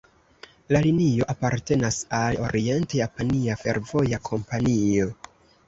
La linio apartenas al Orient-Japania Fervoja Kompanio.